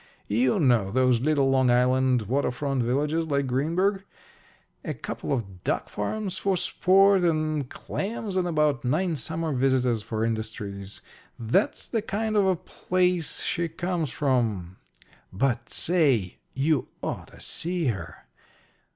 You know those little Long Island water front villages like Greenburg a couple of duck farms for sport, and clams and about nine summer visitors for industries. That's the kind of a place she comes from. But, say you ought to see her!